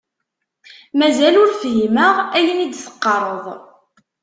Mazal ur fhimeɣ ayen i d-teqqareḍ.